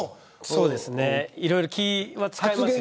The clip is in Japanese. そうですねいろいろ気は使いますよ。